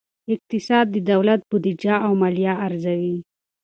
اقتصاد د دولت بودیجه او مالیه ارزوي.